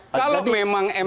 kalau memang mk konsisten